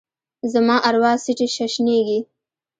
زما اروا څټي ششنیږې